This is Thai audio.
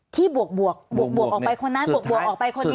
บวกออกไปคนนั้นบวกออกไปคนนี้